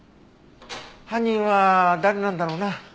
犯人は誰なんだろうな？